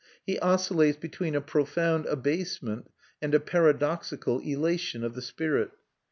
He oscillates between a profound abasement and a paradoxical elation of the spirit.